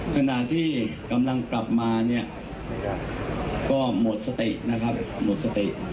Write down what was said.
ขณะที่กำลังกลับมาเนี่ยก็หมดสตินะครับหมดสติ